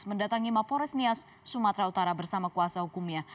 mendatangi mapol resnias sumatera utara bersama kuasa hukumnya